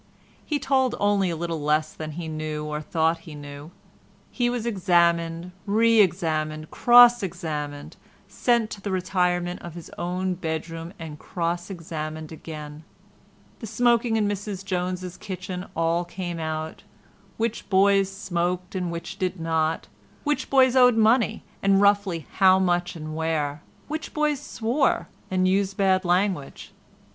He told only a little less than he knew or thought he knew. He was examined, re examined, cross examined, sent to the retirement of his own bedroom and cross examined again; the smoking in Mrs Jones' kitchen all came out; which boys smoked and which did not; which boys owed money and, roughly, how much and where; which boys swore and used bad language.